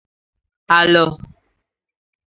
Alọr